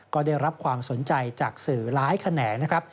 ก็ได้รับความสนใจจากสื่อหลายแขนงนะครับ